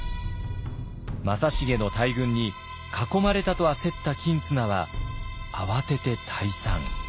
正成の大軍に囲まれたと焦った公綱は慌てて退散。